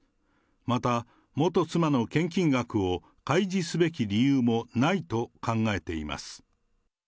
また、元妻の献金額を開示すべき理由もないと考えています。